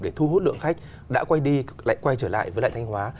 để thu hút lượng khách đã quay đi lại quay trở lại với lại thanh hóa